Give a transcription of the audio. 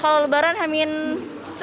kalau lebaran hamin setujuh